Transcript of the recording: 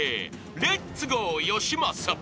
レッツゴーよしまさ］